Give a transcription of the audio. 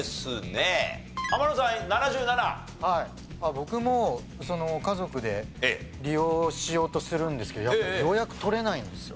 僕も家族で利用しようとするんですけどやっぱ予約取れないんですよ人気で。